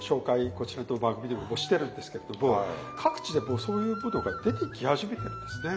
こちらの番組でもしてるんですけれども各地でもうそういうものが出てき始めてるんですね。